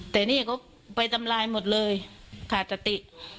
แต่นี่เขาไปทำลายหมดเลยขาดสติ